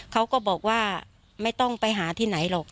เขาก็บอกว่าไม่ต้องไปหาที่ไหนหรอก